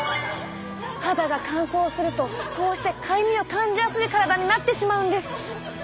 肌が乾燥するとこうしてかゆみを感じやすい体になってしまうんです。